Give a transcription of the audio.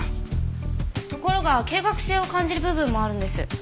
ところが計画性を感じる部分もあるんです。